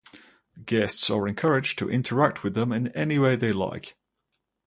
Guests are encouraged to interact with them in any way they like.